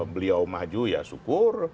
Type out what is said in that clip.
beliau maju ya syukur